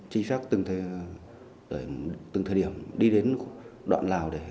chính xác từ từng thời điểm đi đến đoạn nào để đánh giá